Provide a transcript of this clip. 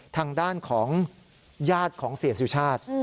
ทางด้านของญาติของเสียสุชาติ